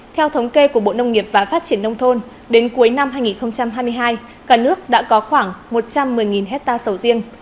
theo thống kê của bộ nông nghiệp và phát triển nông thôn đến cuối năm hai nghìn hai mươi hai cả nước đã có khoảng một trăm một mươi hectare sầu riêng